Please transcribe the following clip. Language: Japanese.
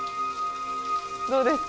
どうですか？